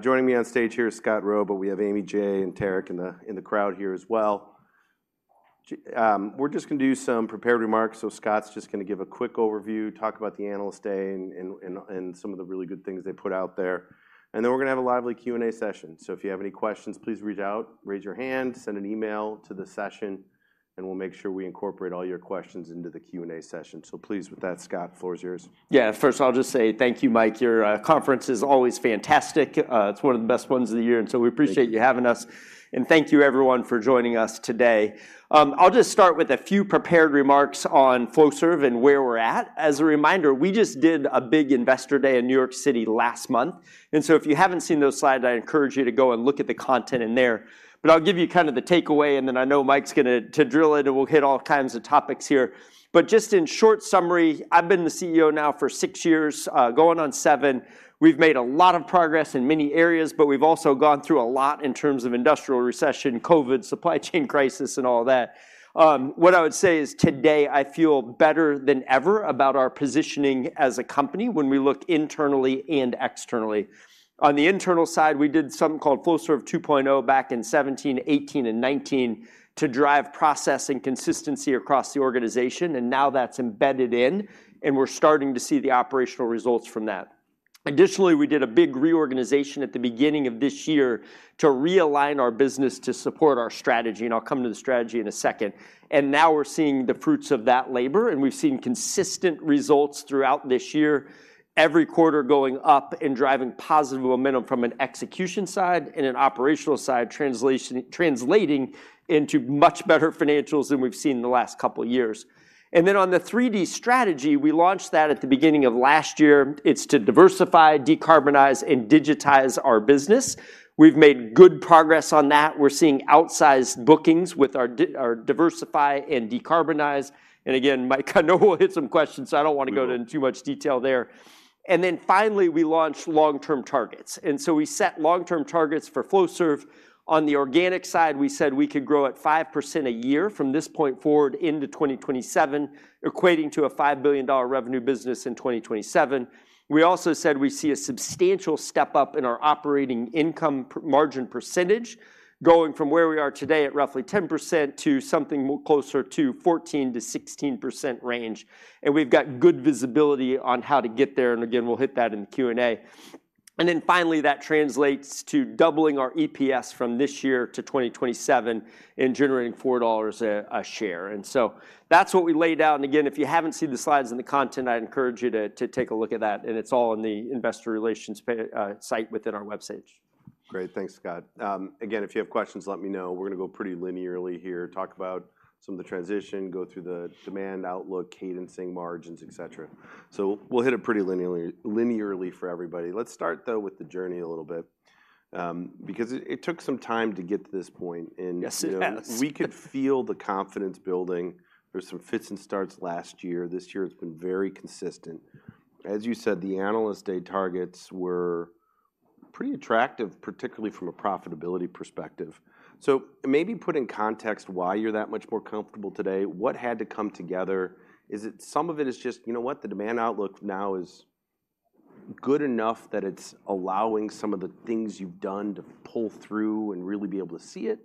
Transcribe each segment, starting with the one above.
Joining me on stage here is Scott Rowe, but we have Amy Schwetz and Tarek in the, in the crowd here as well. We're just gonna do some prepared remarks, so Scott's just gonna give a quick overview, talk about the Analyst Day and some of the really good things they put out there. And then we're gonna have a lively Q&A session. So if you have any questions, please reach out, raise your hand, send an email to the session, and we'll make sure we incorporate all your questions into the Q&A session. So please, with that, Scott, floor is yours. Yeah. First, I'll just say thank you, Mike. Your conference is always fantastic. It's one of the best ones of the year, and so we appreciate. Thank you. You having us, and thank you everyone for joining us today. I'll just start with a few prepared remarks on Flowserve and where we're at. As a reminder, we just did a big Investor Day in New York City last month, and so if you haven't seen those slides, I encourage you to go and look at the content in there. But I'll give you kind of the takeaway, and then I know Mike's gonna to drill in, and we'll hit all kinds of topics here. But just in short summary, I've been the CEO now for six years, going on seven. We've made a lot of progress in many areas, but we've also gone through a lot in terms of industrial recession, COVID, supply chain crisis, and all that. What I would say is today, I feel better than ever about our positioning as a company when we look internally and externally. On the internal side, we did something called Flowserve 2.0 back in 2017, 2018, and 2019 to drive process and consistency across the organization, and now that's embedded in, and we're starting to see the operational results from that. Additionally, we did a big reorganization at the beginning of this year to realign our business to support our strategy, and I'll come to the strategy in a second. And now we're seeing the fruits of that labor, and we've seen consistent results throughout this year, every quarter going up and driving positive momentum from an execution side and an operational side, translating into much better financials than we've seen in the last couple years. Then on the 3D strategy, we launched that at the beginning of last year. It's to diversify, decarbonize, and digitize our business. We've made good progress on that. We're seeing outsized bookings with our diversify and decarbonize. Again, Mike, I know we'll hit some questions, so I don't wanna. Mm-hmm. Go into too much detail there. And then finally, we launched long-term targets, and so we set long-term targets for Flowserve. On the organic side, we said we could grow at 5% a year from this point forward into 2027, equating to a $5 billion revenue business in 2027. We also said we see a substantial step-up in our operating income margin percentage, going from where we are today at roughly 10% to something closer to 14%-16% range, and we've got good visibility on how to get there. And again, we'll hit that in the Q&A. And then finally, that translates to doubling our EPS from this year to 2027 and generating $4 a share. And so that's what we laid out, and again, if you haven't seen the slides and the content, I'd encourage you to take a look at that, and it's all in the investor relations site within our website. Great. Thanks, Scott. Again, if you have questions, let me know. We're gonna go pretty linearly here, talk about some of the transition, go through the demand outlook, cadencing, margins, et cetera. So we'll hit it pretty linearly, linearly for everybody. Let's start, though, with the journey a little bit, because it, it took some time to get to this point, and. Yes, it has. We could feel the confidence building. There were some fits and starts last year. This year, it's been very consistent. As you said, the Analyst Day targets were pretty attractive, particularly from a profitability perspective. So maybe put in context why you're that much more comfortable today. What had to come together? Is it some of it is just, you know what? The demand outlook now is good enough that it's allowing some of the things you've done to pull through and really be able to see it?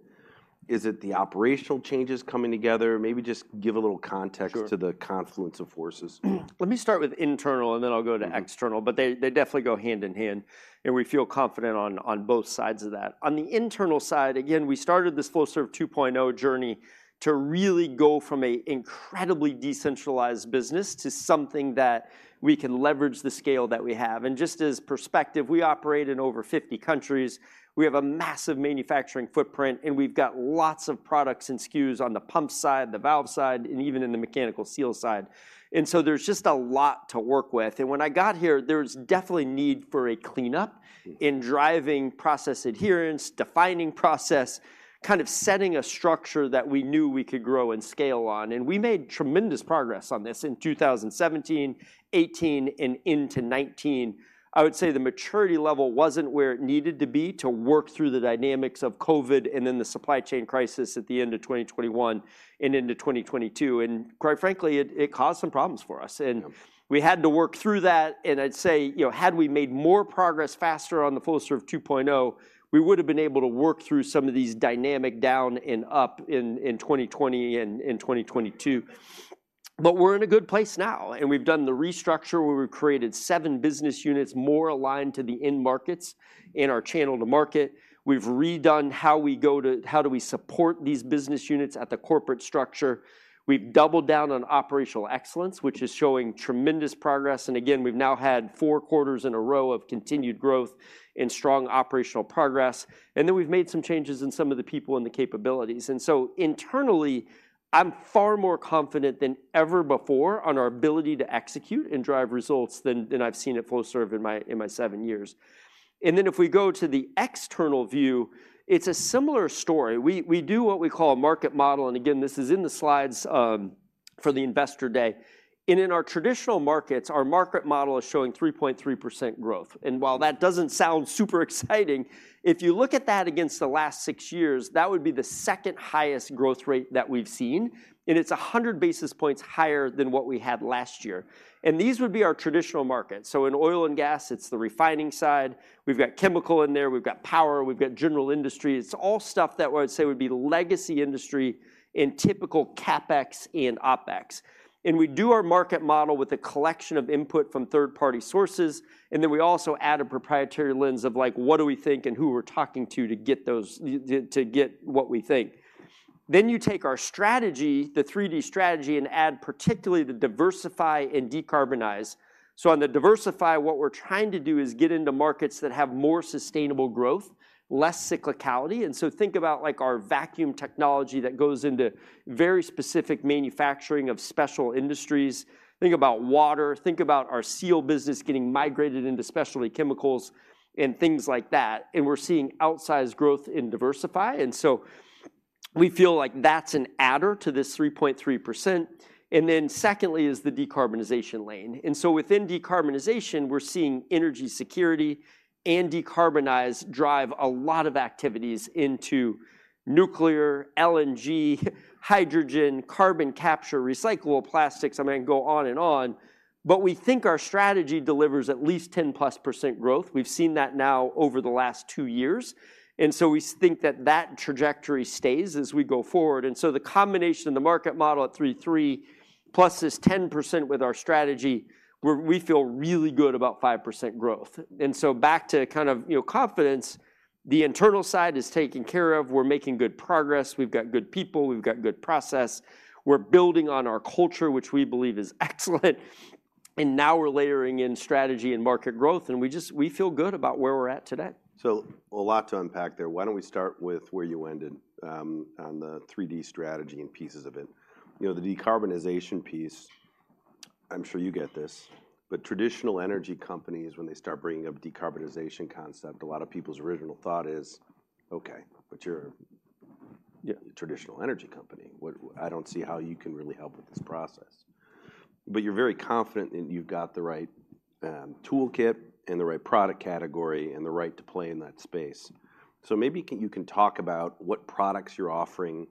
Is it the operational changes coming together? Maybe just give a little context. Sure. To the confluence of forces. Let me start with internal, and then I'll go to external. Mm-hmm. But they, they definitely go hand in hand, and we feel confident on, on both sides of that. On the internal side, again, we started this Flowserve 2.0 journey to really go from an incredibly decentralized business to something that we can leverage the scale that we have. And just as perspective, we operate in over 50 countries. We have a massive manufacturing footprint, and we've got lots of products and SKUs on the pump side, the valve side, and even in the mechanical seal side. And so there's just a lot to work with, and when I got here, there was definitely need for a cleanup. Mm. In driving process adherence, defining process, kind of setting a structure that we knew we could grow and scale on, and we made tremendous progress on this in 2017, 2018, and into 2019. I would say the maturity level wasn't where it needed to be to work through the dynamics of COVID and then the supply chain crisis at the end of 2021 and into 2022. Quite frankly, it caused some problems for us, and. Mm. We had to work through that, and I'd say, you know, had we made more progress faster on the Flowserve 2.0, we would've been able to work through some of these dynamic down and up in 2020 and in 2022. But we're in a good place now, and we've done the restructure, where we've created seven business units more aligned to the end markets and our channel to market. We've redone how we go to, how do we support these business units at the corporate structure? We've doubled down on operational excellence, which is showing tremendous progress, and again, we've now had four quarters in a row of continued growth and strong operational progress. And then we've made some changes in some of the people and the capabilities. So internally, I'm far more confident than ever before on our ability to execute and drive results than I've seen at Flowserve in my seven years. Then if we go to the external view, it's a similar story. We do what we call a market model, and again, this is in the slides for the Investor Day. In our traditional markets, our market model is showing 3.3% growth. While that doesn't sound super exciting, if you look at that against the last six years, that would be the second highest growth rate that we've seen, and it's 100 basis points higher than what we had last year. These would be our traditional markets. So in oil and gas, it's the refining side. We've got chemical in there, we've got power, we've got general industry. It's all stuff that I'd say would be legacy industry in typical CapEx and OpEx. We do our market model with a collection of input from third-party sources, and then we also add a proprietary lens of, like, what do we think and who we're talking to, to get those, to get what we think. Then you take our strategy, the 3D strategy, and add particularly the diversify and decarbonize. So on the diversify, what we're trying to do is get into markets that have more sustainable growth, less cyclicality, and so think about, like, our vacuum technology that goes into very specific manufacturing of special industries. Think about water, think about our seal business getting migrated into specialty chemicals and things like that, and we're seeing outsized growth in diversify, and so we feel like that's an adder to this 3.3%. And then secondly, is the decarbonization lane. And so within decarbonization, we're seeing energy security and decarbonize drive a lot of activities into nuclear, LNG, hydrogen, carbon capture, recyclable plastics. I mean, I can go on and on, but we think our strategy delivers at least 10%+ growth. We've seen that now over the last two years, and so we think that that trajectory stays as we go forward. And so the combination of the market model at 3.3, plus this 10% with our strategy, we feel really good about 5% growth. And so back to kind of, you know, confidence, the internal side is taken care of. We're making good progress, we've got good people, we've got good process. We're building on our culture, which we believe is excellent, and now we're layering in strategy and market growth, and we just feel good about where we're at today. So a lot to unpack there. Why don't we start with where you ended, on the 3D strategy and pieces of it? You know, the decarbonization piece, I'm sure you get this, but traditional energy companies, when they start bringing up decarbonization concept, a lot of people's original thought is: "Okay, but you're. Yeah. A traditional energy company. What, I don't see how you can really help with this process." But you're very confident that you've got the right, toolkit and the right product category and the right to play in that space. So maybe you can, you can talk about what products you're offering,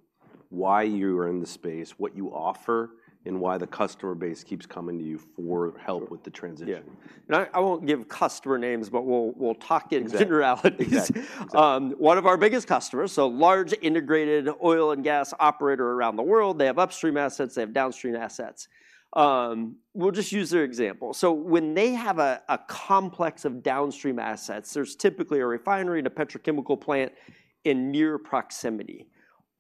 why you are in the space, what you offer, and why the customer base keeps coming to you for help with the transition. Yeah. And I won't give customer names, but we'll talk in generalities. Exactly. Exactly. One of our biggest customers, so large, integrated oil and gas operator around the world, they have upstream assets, they have downstream assets. We'll just use their example. So when they have a complex of downstream assets, there's typically a refinery and a petrochemical plant in near proximity.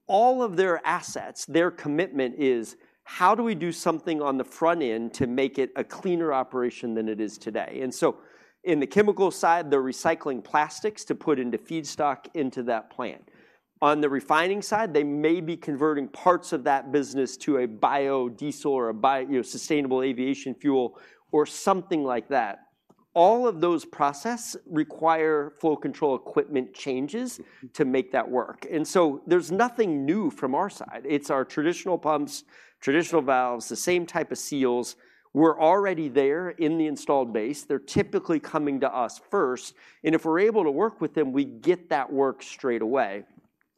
All of their assets, their commitment is: how do we do something on the front end to make it a cleaner operation than it is today? And so in the chemical side, they're recycling plastics to put into feedstock, into that plant. On the refining side, they may be converting parts of that business to a biodiesel or a bi, you know, sustainable aviation fuel or something like that. All of those process require flow control equipment changes. Mm. To make that work, and so there's nothing new from our side. It's our traditional pumps, traditional valves, the same type of seals. We're already there in the installed base. They're typically coming to us first, and if we're able to work with them, we get that work straight away.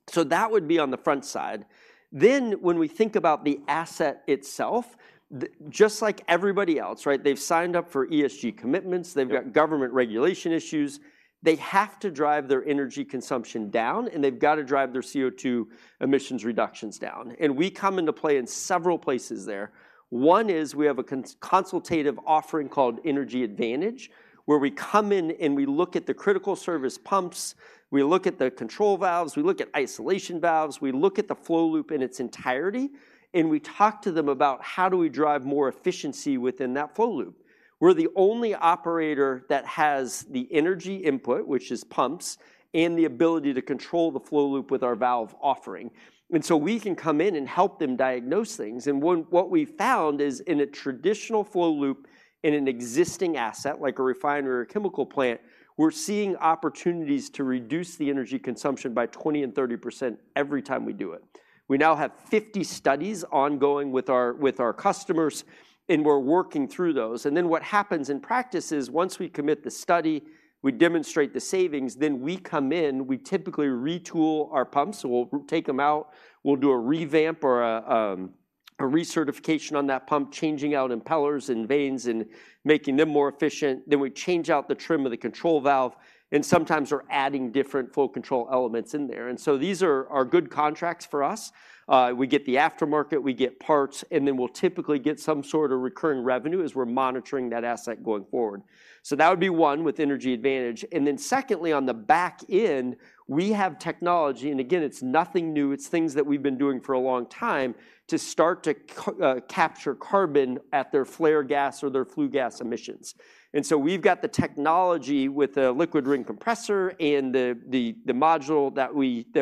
So that would be on the front side. Then, when we think about the asset itself, the, just like everybody else, right? They've signed up for ESG commitments. Yeah. They've got government regulation issues. They have to drive their energy consumption down, and they've got to drive their CO2 emissions reductions down. We come into play in several places there. One is we have a consultative offering called Energy Advantage, where we come in, and we look at the critical service pumps, we look at the control valves, we look at isolation valves, we look at the flow loop in its entirety, and we talk to them about: how do we drive more efficiency within that flow loop? We're the only operator that has the energy input, which is pumps, and the ability to control the flow loop with our valve offering, and so we can come in and help them diagnose things. What we've found is in a traditional flow loop, in an existing asset, like a refinery or chemical plant, we're seeing opportunities to reduce the energy consumption by 20%-30% every time we do it. We now have 50 studies ongoing with our customers, and we're working through those. Then what happens in practice is, once we commit the study, we demonstrate the savings, then we come in, we typically retool our pumps. So we'll take them out, we'll do a revamp or a recertification on that pump, changing out impellers and vanes and making them more efficient. Then, we change out the trim of the control valve, and sometimes we're adding different flow control elements in there. So these are good contracts for us. We get the aftermarket, we get parts, and then we'll typically get some sort of recurring revenue as we're monitoring that asset going forward. So that would be one with Energy Advantage, and then secondly, on the back end, we have technology, and again, it's nothing new, it's things that we've been doing for a long time, to start to capture carbon at their flare gas or their flue gas emissions. And so we've got the technology with the liquid ring compressor and the module that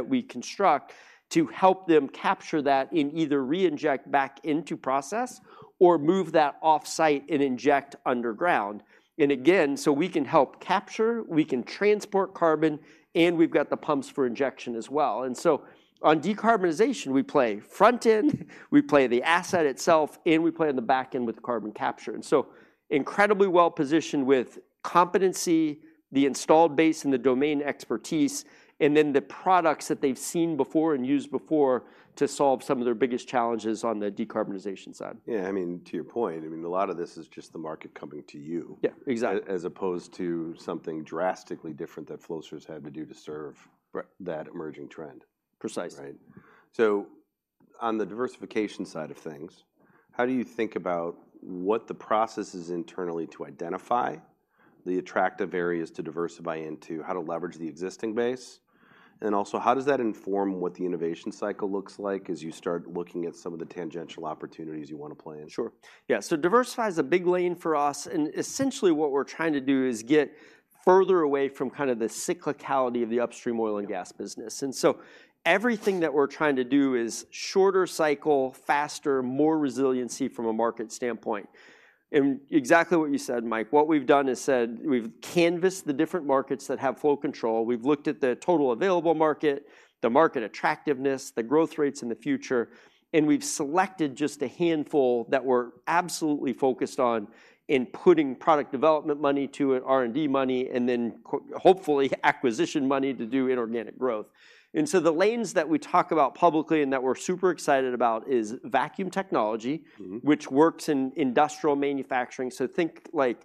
we construct to help them capture that and either reinject back into process or move that offsite and inject underground. And again, so we can help capture, we can transport carbon, and we've got the pumps for injection as well. And so on decarbonization, we play front end, we play the asset itself, and we play on the back end with carbon capture. And so incredibly well-positioned with competency, the installed base, and the domain expertise, and then the products that they've seen before and used before to solve some of their biggest challenges on the decarbonization side. Yeah, I mean, to your point, I mean, a lot of this is just the market coming to you. Yeah, exactly. As opposed to something drastically different that Flowserve's had to do to serve. Right. That emerging trend. Precisely. Right. So on the diversification side of things, how do you think about what the process is internally to identify the attractive areas to diversify into, how to leverage the existing base? And also, how does that inform what the innovation cycle looks like as you start looking at some of the tangential opportunities you wanna play in? Sure. Yeah, so diversify is a big lane for us, and essentially what we're trying to do is get further away from kind of the cyclicality of the upstream oil and gas business. And so everything that we're trying to do is shorter cycle, faster, more resiliency from a market standpoint. And exactly what you said, Mike, what we've done is said, we've canvassed the different markets that have flow control, we've looked at the total available market, the market attractiveness, the growth rates in the future, and we've selected just a handful that we're absolutely focused on in putting product development money to it, R&D money, and then hopefully, acquisition money to do inorganic growth. And so the lanes that we talk about publicly and that we're super excited about is vacuum technology. Mm-hmm. Which works in industrial manufacturing, so think, like,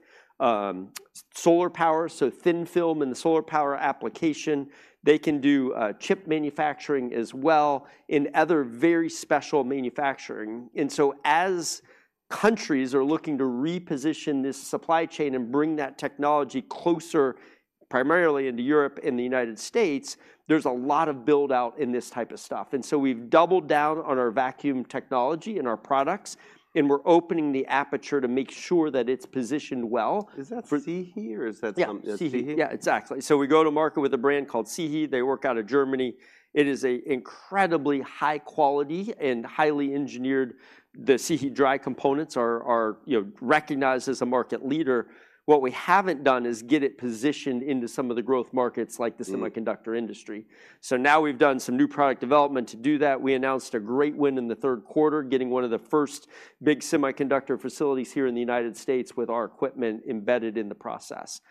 solar power, so thin film in the solar power application. They can do chip manufacturing as well, and other very special manufacturing. And so as countries are looking to reposition this supply chain and bring that technology closer, primarily into Europe and the United States, there's a lot of build-out in this type of stuff. And so we've doubled down on our vacuum technology and our products, and we're opening the aperture to make sure that it's positioned well. Is that SIHI, or is that something. Yeah, SIHI. SIHI? Yeah, exactly. So we go to market with a brand called SIHI. They work out of Germany. It is an incredibly high quality and highly engineered. The SIHI Dry components are, you know, recognized as a market leader. What we haven't done is get it positioned into some of the growth markets, like the. Mm. Semiconductor industry. So now we've done some new product development to do that. We announced a great win in the third quarter, getting one of the first big semiconductor facilities here in the United States with our equipment embedded in the process.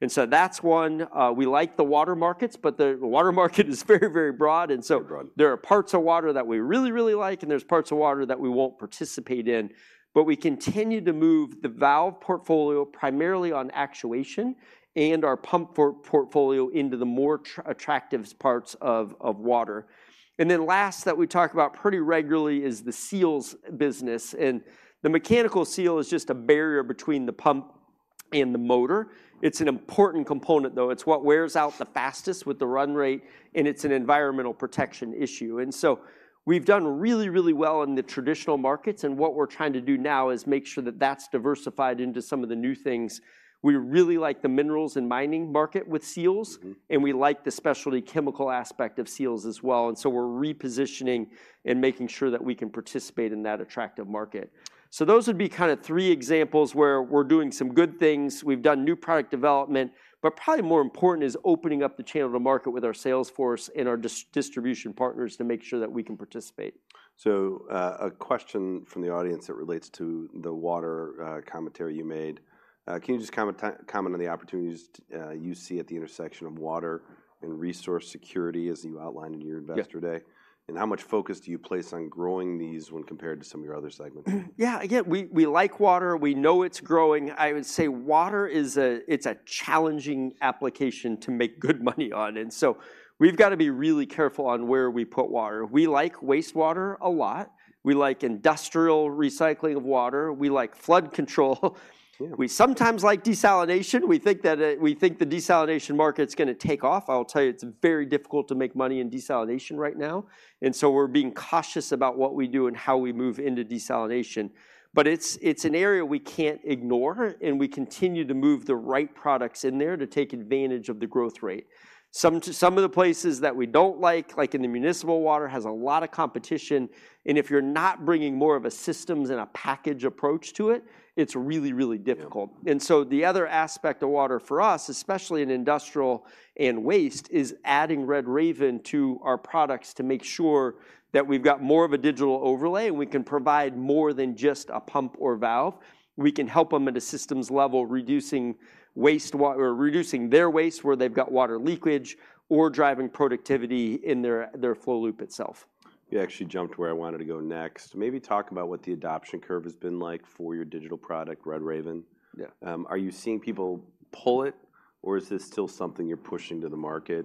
And so that's one. We like the water markets, but the water market is very, very broad, and so. Broad. There are parts of water that we really, really like, and there's parts of water that we won't participate in. But we continue to move the valve portfolio primarily on actuation and our pump portfolio into the more attractive parts of water. And then last that we talk about pretty regularly is the seals business, and the mechanical seal is just a barrier between the pump and the motor. It's an important component, though. It's what wears out the fastest with the run rate, and it's an environmental protection issue. And so we've done really, really well in the traditional markets, and what we're trying to do now is make sure that that's diversified into some of the new things. We really like the minerals and mining market with seals. Mm-hmm. And we like the specialty chemical aspect of seals as well, and so we're repositioning and making sure that we can participate in that attractive market. So those would be kinda three examples where we're doing some good things. We've done new product development, but probably more important is opening up the channel to market with our sales force and our distribution partners to make sure that we can participate. So, a question from the audience that relates to the water commentary you made. Can you just comment on the opportunities you see at the intersection of water and resource security, as you outlined in your Investor Day? Yeah. How much focus do you place on growing these when compared to some of your other segments? Yeah, again, we like water. We know it's growing. I would say water is a, it's a challenging application to make good money on, and so we've gotta be really careful on where we put water. We like wastewater a lot. We like industrial recycling of water. We like flood control. Yeah. We sometimes like desalination. We think that, we think the desalination market's gonna take off. I'll tell you, it's very difficult to make money in desalination right now, and so we're being cautious about what we do and how we move into desalination. But it's an area we can't ignore, and we continue to move the right products in there to take advantage of the growth rate. Some of the places that we don't like, like in the municipal water, has a lot of competition, and if you're not bringing more of a systems and a package approach to it, it's really, really difficult. Yeah. And so the other aspect of water for us, especially in industrial and waste, is adding RedRaven to our products to make sure that we've got more of a digital overlay, and we can provide more than just a pump or valve. We can help them at a systems level, reducing waste or reducing their waste where they've got water leakage or driving productivity in their flow loop itself. You actually jumped where I wanted to go next. Maybe talk about what the adoption curve has been like for your digital product, RedRaven. Yeah. Are you seeing people pull it? Or is this still something you're pushing to the market?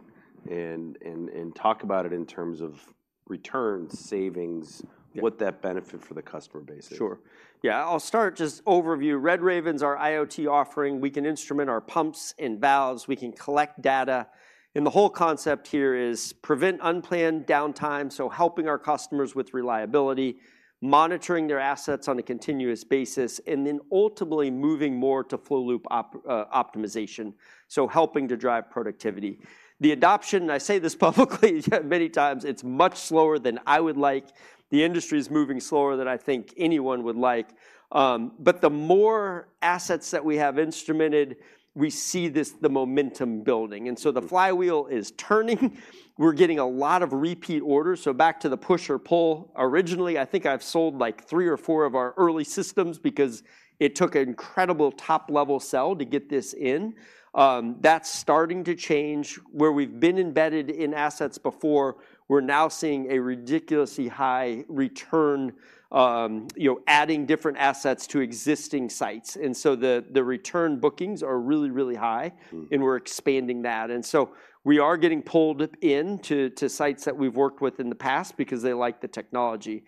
And talk about it in terms of return savings. Yeah. What that benefit for the customer base is. Sure. Yeah, I'll start just overview. RedRaven's our IoT offering. We can instrument our pumps and valves, we can collect data, and the whole concept here is prevent unplanned downtime, so helping our customers with reliability, monitoring their assets on a continuous basis, and then ultimately moving more to flow loop optimization, so helping to drive productivity. The adoption, I say this publicly many times, it's much slower than I would like. The industry is moving slower than I think anyone would like. But the more assets that we have instrumented, we see this, the momentum building. And so the flywheel is turning. We're getting a lot of repeat orders. So back to the push or pull, originally, I think I've sold, like, three or four of our early systems because it took an incredible top-level sell to get this in. That's starting to change. Where we've been embedded in assets before, we're now seeing a ridiculously high return, you know, adding different assets to existing sites. And so the return bookings are really, really high. Mm. And we're expanding that. And so we are getting pulled in to sites that we've worked with in the past because they like the technology.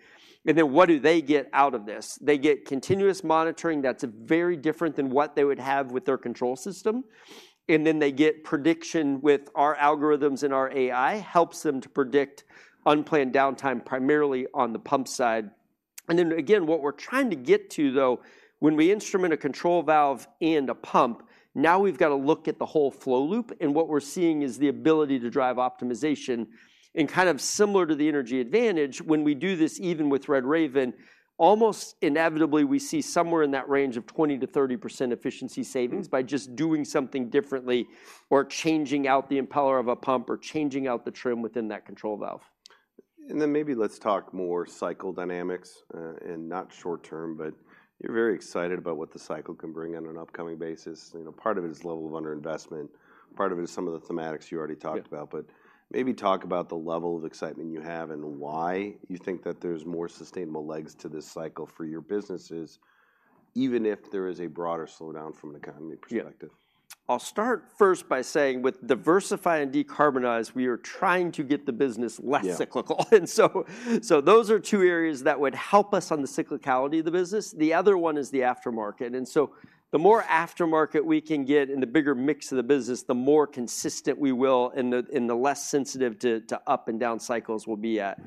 And then what do they get out of this? They get continuous monitoring that's very different than what they would have with their control system, and then they get prediction with our algorithms and our AI, helps them to predict unplanned downtime, primarily on the pump side. And then, again, what we're trying to get to, though, when we instrument a control valve and a pump, now we've got to look at the whole flow loop, and what we're seeing is the ability to drive optimization. And kind of similar to the Energy Advantage, when we do this, even with RedRaven, almost inevitably, we see somewhere in that range of 20%-30% efficiency savings. Mm. By just doing something differently or changing out the impeller of a pump or changing out the trim within that control valve. Then maybe let's talk more cycle dynamics, and not short term, but you're very excited about what the cycle can bring on an upcoming basis. You know, part of it is level of underinvestment, part of it is some of the thematics you already talked about. Yeah. Maybe talk about the level of excitement you have and why you think that there's more sustainable legs to this cycle for your businesses, even if there is a broader slowdown from an economy perspective? Yeah. I'll start first by saying with diversify and decarbonize, we are trying to get the business less cyclical. Yeah. And so, so those are two areas that would help us on the cyclicality of the business. The other one is the aftermarket, and so the more aftermarket we can get and the bigger mix of the business, the more consistent we will and the, and the less sensitive to, to up and down cycles we'll be at.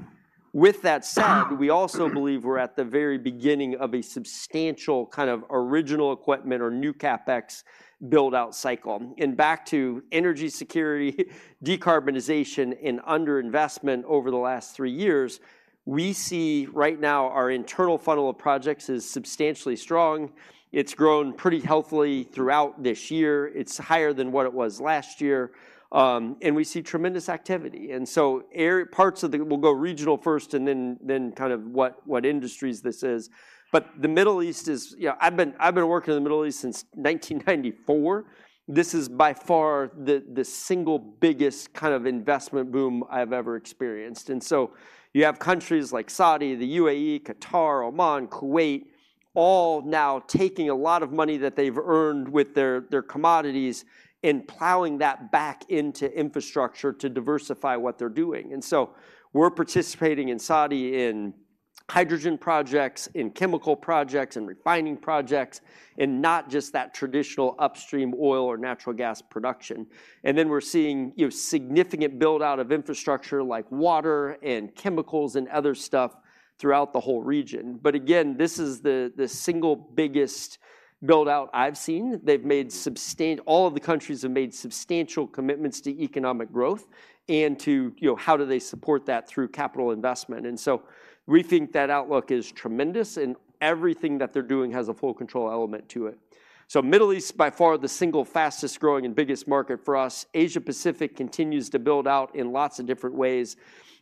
With that said, we also believe we're at the very beginning of a substantial kind of original equipment or new CapEx build-out cycle. And back to energy security, decarbonization, and underinvestment over the last three years, we see right now our internal funnel of projects is substantially strong. It's grown pretty healthily throughout this year. It's higher than what it was last year, and we see tremendous activity. And so parts of the, we'll go regional first, and then, then kind of what, what industries this is. But the Middle East is, you know, I've been working in the Middle East since 1994. This is by far the single biggest kind of investment boom I've ever experienced. And so you have countries like Saudi, the UAE, Qatar, Oman, Kuwait, all now taking a lot of money that they've earned with their commodities and plowing that back into infrastructure to diversify what they're doing. And so we're participating in Saudi in hydrogen projects, in chemical projects, in refining projects, and not just that traditional upstream oil or natural gas production. And then we're seeing, you know, significant build-out of infrastructure like water and chemicals and other stuff throughout the whole region. But again, this is the single biggest build-out I've seen. They've made, all of the countries have made substantial commitments to economic growth and to, you know, how do they support that through capital investment? And so we think that outlook is tremendous, and everything that they're doing has a flow control element to it. So Middle East, by far, the single fastest-growing and biggest market for us. Asia-Pacific continues to build out in lots of different ways.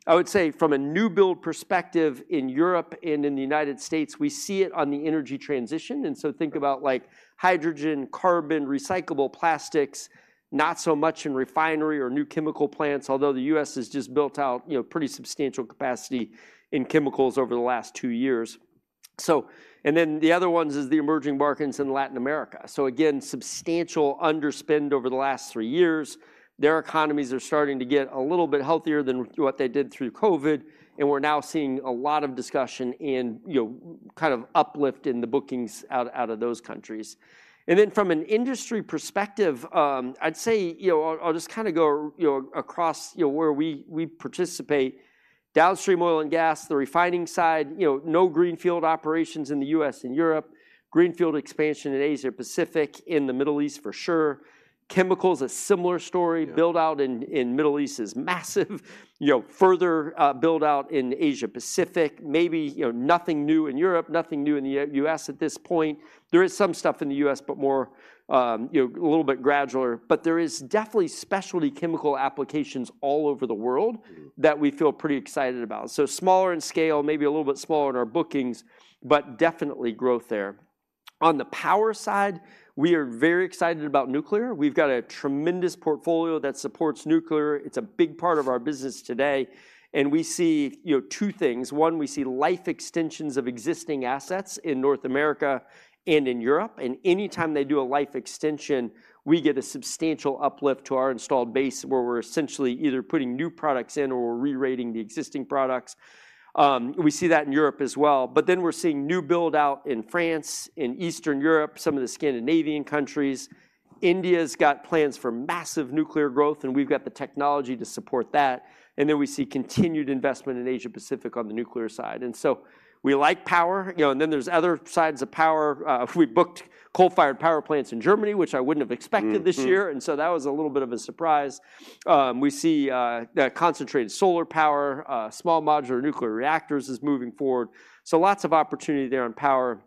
I would say from a new build perspective in Europe and in the United States, we see it on the energy transition, and so think about, like, hydrogen, carbon, recyclable plastics, not so much in refinery or new chemical plants, although the U.S. has just built out, you know, pretty substantial capacity in chemicals over the last two years. So, and then the other ones is the emerging markets in Latin America. So again, substantial underspend over the last three years. Their economies are starting to get a little bit healthier than what they did through COVID, and we're now seeing a lot of discussion and, you know, kind of uplift in the bookings out of those countries. And then from an industry perspective, I'd say, you know, I'll just kind of go, you know, across, you know, where we participate. Downstream oil and gas, the refining side, you know, no greenfield operations in the U.S. and Europe. Greenfield expansion in Asia-Pacific, in the Middle East, for sure. Chemicals, a similar story. Yeah. Build-out in the Middle East is massive. You know, further build-out in Asia-Pacific, maybe, you know, nothing new in Europe, nothing new in the U.S. at this point. There is some stuff in the U.S., but more, you know, a little bit gradualer. But there is definitely specialty chemical applications all over the world- Mm- That we feel pretty excited about. So smaller in scale, maybe a little bit smaller in our bookings, but definitely growth there. On the power side, we are very excited about nuclear. We've got a tremendous portfolio that supports nuclear. It's a big part of our business today, and we see, you know, two things: One, we see life extensions of existing assets in North America and in Europe, and anytime they do a life extension, we get a substantial uplift to our installed base, where we're essentially either putting new products in or we're re-rating the existing products. We see that in Europe as well, but then we're seeing new build-out in France, in Eastern Europe, some of the Scandinavian countries. India's got plans for massive nuclear growth, and we've got the technology to support that. And then we see continued investment in Asia-Pacific on the nuclear side. And so we like power, you know, and then there's other sides of power. We booked coal-fired power plants in Germany, which I wouldn't have expected this year. Mm-hmm. And so that was a little bit of a surprise. We see Concentrated Solar Power, small modular reactors moving forward, so lots of opportunity there on power.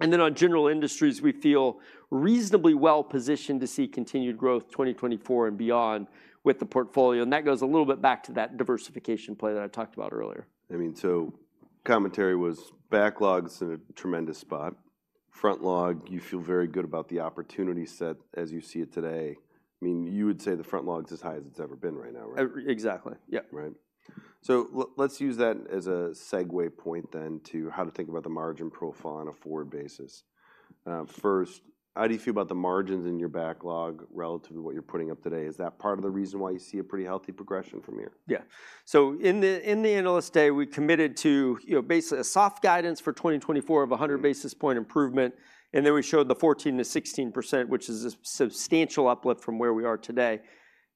And then on general industries, we feel reasonably well positioned to see continued growth 2024 and beyond with the portfolio, and that goes a little bit back to that diversification play that I talked about earlier. I mean, so commentary was backlogs in a tremendous spot. Frontlog, you feel very good about the opportunity set as you see it today. I mean, you would say the Frontlog's as high as it's ever been right now, right? Exactly. Yep. Right. So let's use that as a segue point then to how to think about the margin profile on a forward basis. First, how do you feel about the margins in your backlog relative to what you're putting up today? Is that part of the reason why you see a pretty healthy progression from here? Yeah. So in the Analyst Day, we committed to, you know, basically a soft guidance for 2024 of 100 basis point improvement, and then we showed the 14%-16%, which is a substantial uplift from where we are today.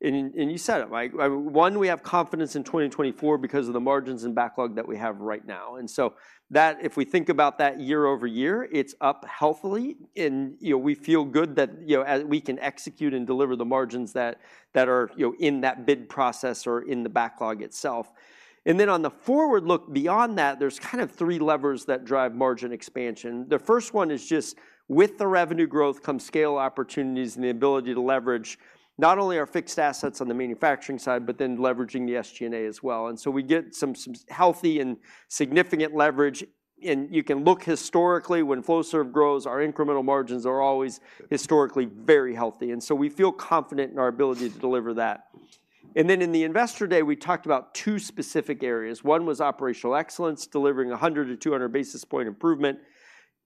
And you said it, right? We have confidence in 2024 because of the margins and backlog that we have right now, and so that, if we think about that year-over-year, it's up healthily. And, you know, we feel good that, you know, as we can execute and deliver the margins that are, you know, in that bid process or in the backlog itself. And then on the forward look, beyond that, there's kind of three levers that drive margin expansion. The first one is just with the revenue growth comes scale opportunities and the ability to leverage not only our fixed assets on the manufacturing side, but then leveraging the SG&A as well, and so we get some healthy and significant leverage. You can look historically, when Flowserve grows, our incremental margins are always. Yeah. Historically very healthy, and so we feel confident in our ability to deliver that. And then in the Investor Day, we talked about two specific areas. One was operational excellence, delivering 100-200 basis point improvement.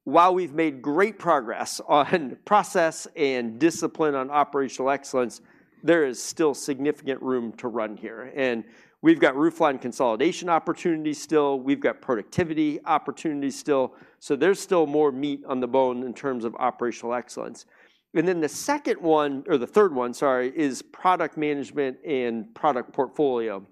While we've made great progress on process and discipline on operational excellence, there is still significant room to run here, and we've got roofline consolidation opportunities still. We've got productivity opportunities still. So there's still more meat on the bone in terms of operational excellence. And then the second one, or the third one, sorry, is product management and product portfolio.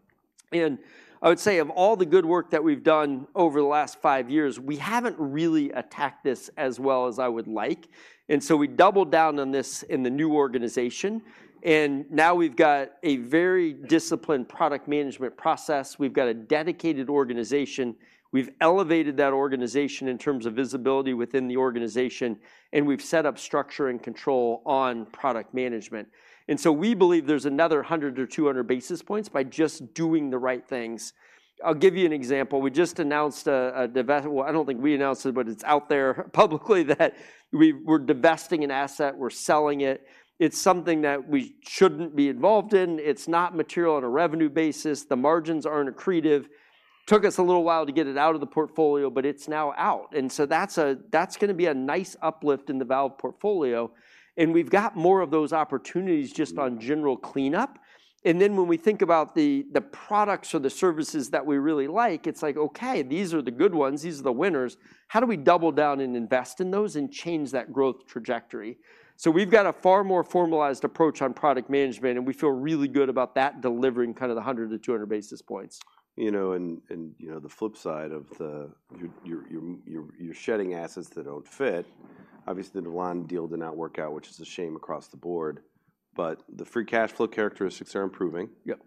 And I would say, of all the good work that we've done over the last five years, we haven't really attacked this as well as I would like, and so we doubled down on this in the new organization. And now we've got a very disciplined product management process. We've got a dedicated organization. We've elevated that organization in terms of visibility within the organization, and we've set up structure and control on product management. And so we believe there's another 100 or 200 basis points by just doing the right things. I'll give you an example. We just announced, well, I don't think we announced it, but it's out there publicly, that we're divesting an asset. We're selling it. It's something that we shouldn't be involved in. It's not material on a revenue basis. The margins aren't accretive. Took us a little while to get it out of the portfolio, but it's now out, and so that's gonna be a nice uplift in the valve portfolio, and we've got more of those opportunities just on general cleanup. And then when we think about the products or the services that we really like, it's like: Okay, these are the good ones. These are the winners. How do we double down and invest in those and change that growth trajectory? So we've got a far more formalized approach on product management, and we feel really good about that delivering kind of the 100-200 basis points. You know, the flip side of the, you're shedding assets that don't fit. Obviously, the Velan deal did not work out, which is a shame across the board, but the free cash flow characteristics are improving. Yep.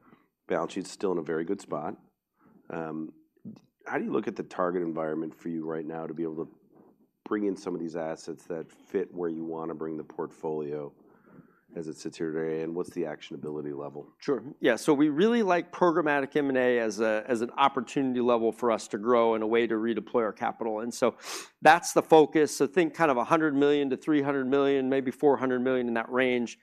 Balance sheet's still in a very good spot. How do you look at the target environment for you right now to be able to bring in some of these assets that fit where you want to bring the portfolio as it sits here today, and what's the actionability level? Sure, yeah. So we really like programmatic M&A as a, as an opportunity level for us to grow and a way to redeploy our capital, and so that's the focus. I think, kind of $100 million-$300 million, maybe $400 million, in that range.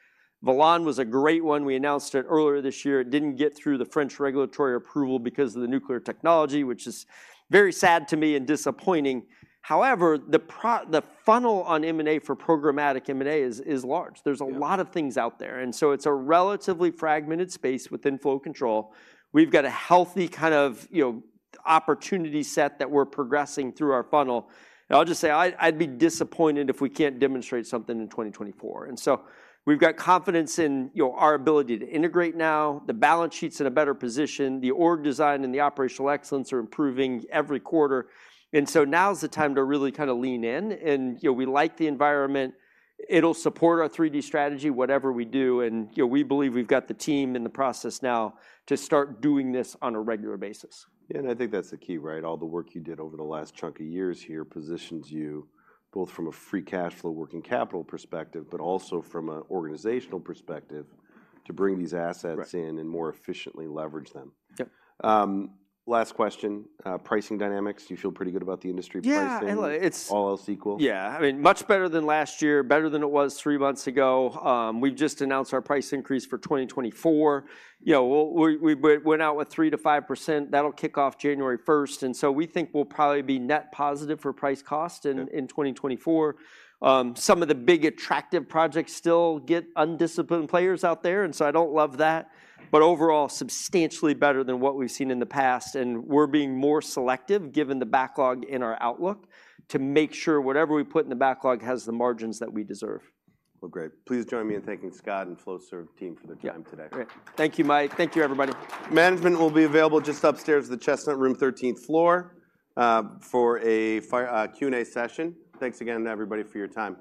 Velan was a great one. We announced it earlier this year. It didn't get through the French regulatory approval because of the nuclear technology, which is very sad to me and disappointing. However, the funnel on M&A for programmatic M&A is large. Yeah. There's a lot of things out there, and so it's a relatively fragmented space within flow control. We've got a healthy kind of, you know, opportunity set that we're progressing through our funnel, and I'll just say, I'd be disappointed if we can't demonstrate something in 2024. So we've got confidence in, you know, our ability to integrate now. The balance sheet's in a better position. The org design and the operational excellence are improving every quarter, and so now is the time to really kind of lean in. And, you know, we like the environment. It'll support our 3D strategy, whatever we do, and, you know, we believe we've got the team and the process now to start doing this on a regular basis. Yeah, and I think that's the key, right? All the work you did over the last chunk of years here positions you, both from a free cash flow working capital perspective, but also from an organizational perspective, to bring these assets. Right. In and more efficiently leverage them. Yep. Last question, pricing dynamics, do you feel pretty good about the industry pricing. Yeah, look, it's. All else equal? Yeah, I mean, much better than last year, better than it was three months ago. We've just announced our price increase for 2024. You know, we, we, we went out with 3%-5%. That'll kick off January first, and so we think we'll probably be net positive for price cost in. Yeah. In 2024. Some of the big attractive projects still get undisciplined players out there, and so I don't love that, but overall, substantially better than what we've seen in the past. We're being more selective, given the backlog in our outlook, to make sure whatever we put in the backlog has the margins that we deserve. Well, great. Please join me in thanking Scott and Flowserve team for their time today. Yeah, great. Thank you, Mike. Thank you, everybody. Management will be available just upstairs, the Chestnut Room, 13th floor, for a Q&A session. Thanks again to everybody for your time.